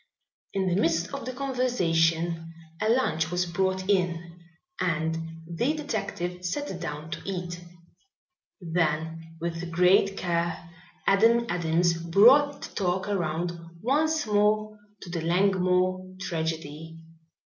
In the midst of the conversation a lunch was brought in and the detective sat down to eat. Then with great care Adam Adams brought the talk around once more to the Langmore tragedy.